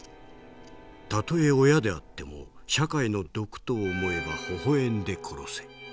たとえ親であっても社会の毒と思えばほほ笑んで殺せ。